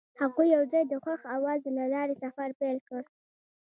هغوی یوځای د خوښ اواز له لارې سفر پیل کړ.